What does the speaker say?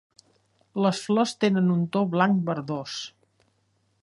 Les flors tenen un to blanc verdós.